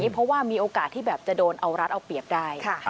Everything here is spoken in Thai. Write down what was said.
เพราะว่ามีโอกาสที่แบบจะโดนเอารัดเอาเปรียบได้